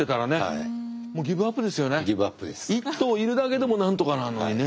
１頭いるだけでもなんとかなのにね。